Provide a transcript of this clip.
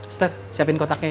star siapin kotaknya ya